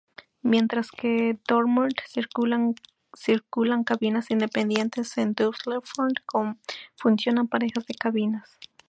Mientras que en Dortmund circulan cabinas independientes, en Düsseldorf funcionan parejas de cabinas.